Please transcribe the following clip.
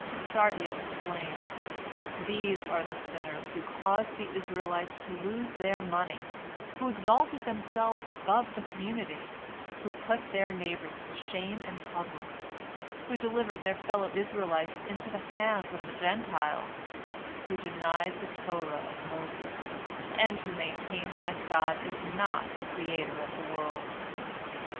Nasargiel explained: "These are the sinners who caused the Israelites to lose their money, who exalted themselves above the community, who put their neighbors to shame in public, who delivered their fellow Israelites into the hands of the Gentiles, who denied the Torah of Moses, and who maintained that God is not the Creator of the world."